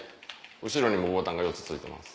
後ろにもボタンが４つ付いてます。